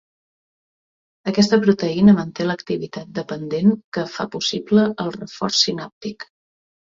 Aquesta proteïna manté l'activitat dependent que fa possible el reforç sinàptic.